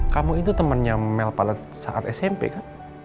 kamu itu temennya mel pada saat smp kan